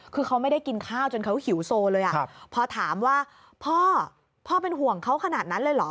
คือเขาไม่ได้กินข้าวจนเขาหิวโซเลยพอถามว่าพ่อพ่อเป็นห่วงเขาขนาดนั้นเลยเหรอ